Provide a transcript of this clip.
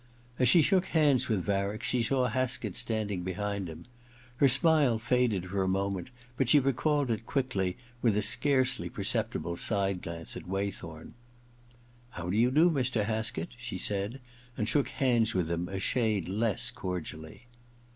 As she shook hands with Varick she saw Haskett standing behind him. Her smile faded for a moment, but she recalled it quickly, with a scarcely perceptible side glance at Waydiorn. * How do you do, Mr. Haskett ?' she said, and shook hands with him a shade less cordially.